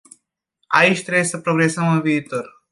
Aici trebuie să progresăm în viitor.